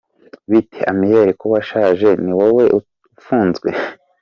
«Bite Amiel, ko washaje, ni wowe ufunzwe»?